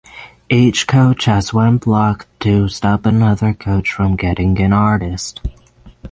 Each coach has one block to stop another coach from getting an artist.